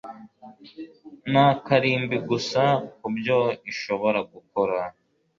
nta karimbi gusa kubyo ishobora gukora